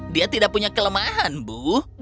dia tidak punya kelemahan bu